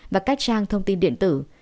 và các trang thông tin điện tử